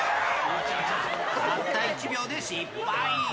たった１秒で失敗。